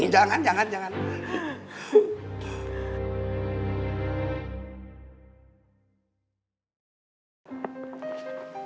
jangan jangan jangan